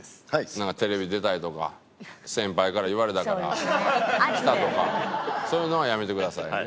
なんかテレビ出たいとか先輩から言われたから来たとかそういうのはやめてくださいね。